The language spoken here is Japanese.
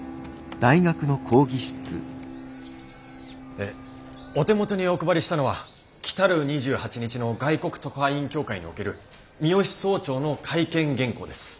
えお手元にお配りしたのは来る２８日の外国特派員協会における三芳総長の会見原稿です。